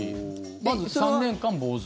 まず３年間、坊主。